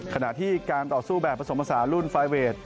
ขณะที่การต่อสู้แบบประสงค์ประสาทรุ่นไฟเวท